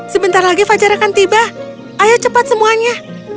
sebentar lagi fajar akan tiba ayo cepat semuanya